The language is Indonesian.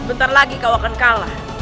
bentar lagi kau akan kalah